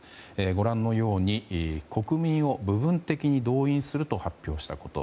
ご覧のように国民を部分的に動員すると発表したこと。